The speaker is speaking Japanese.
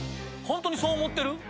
ホントにそう思ってる？